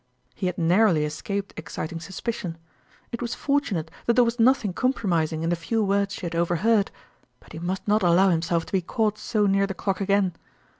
He had narrowly escaped exciting suspicion. It was fortunate that there was nothing com promising in the few words she had overheard, but he must not allow himself to be caught so near the clock again.